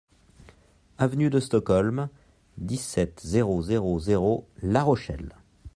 Avenue DE STOCKHOLM, dix-sept, zéro zéro zéro La Rochelle